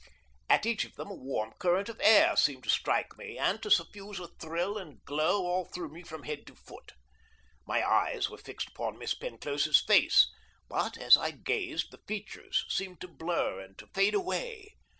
At each of them a warm current of air seemed to strike me, and to suffuse a thrill and glow all through me from head to foot. My eyes were fixed upon Miss Penclosa's face, but as I gazed the features seemed to blur and to fade away.